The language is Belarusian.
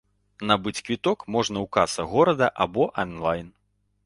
Набыць квіток можна ў касах горада або анлайн.